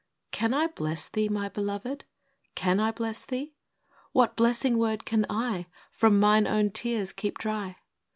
Can I bless thee, my beloved, — can I bless thee? What blessing word can I, From mine own tears, keep dry?